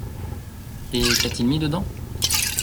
Et qu’a-t-il mis dedans ?